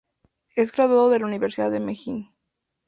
Es graduado de la Universidad de Meiji.